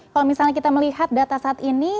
kalau misalnya kita melihat data saat ini